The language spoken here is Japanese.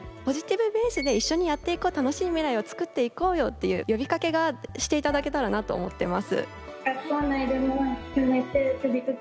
ポジティブベースで一緒にやっていこう楽しい未来を作っていこうよっていう呼びかけがして頂けたらなと思ってます。